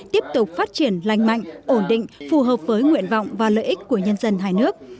tiếp tục phát triển lành mạnh ổn định phù hợp với nguyện vọng và lợi ích của nhân dân hai nước